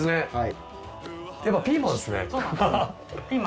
はい。